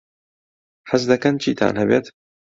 حەز دەکەن چیتان هەبێت؟